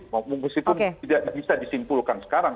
mungkin itu tidak bisa disimpulkan sekarang